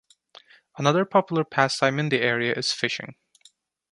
Another popular pastime in the area is fishing.